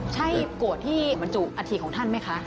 ใช่โกรธที่บรรจุอาธิของท่านไหมคะ